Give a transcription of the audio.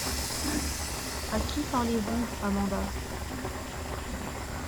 À qui parlez-vous, Amanda?